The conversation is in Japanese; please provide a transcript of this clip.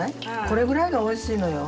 これぐらいがおいしいのよ。